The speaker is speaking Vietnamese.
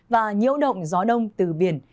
và nhiễu động gió đông từ biển